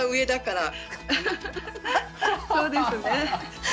そうですね。